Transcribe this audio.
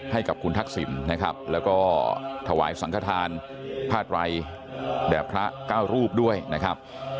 ให้กับคุณทักษิณนะครับแล้วก็ถวายสังขทานพาดไรแด่พระเก้ารูปด้วยนะครับ